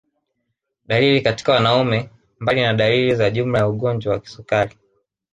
Dalili katika wanaume Mbali na dalili za jumla za ugonjwa wa kisukari